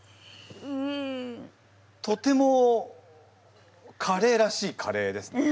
とてもカレーらしいカレーですね。